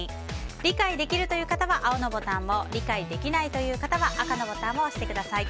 理解できるという方は青のボタン理解できないという方は赤のボタンを押してください。